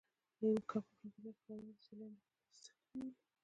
د اینکا امپراتورۍ قلمرو د سویلي امریکا لوېدیځې څنډې نیولې.